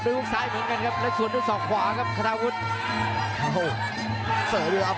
เดินที่สองขวาแล้วครับ